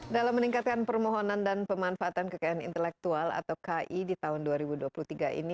dalam meningkatkan permohonan dan pemanfaatan kekayaan intelektual atau ki di tahun dua ribu dua puluh tiga ini